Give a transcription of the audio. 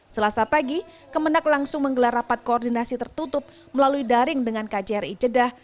selasa pagi kemenang langsung menggelar rapat koordinasi tertutup melalui daring dengan kjri jeddah